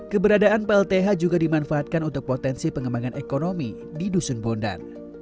keberadaan plth juga dimanfaatkan untuk potensi pengembangan ekonomi di dusun bondan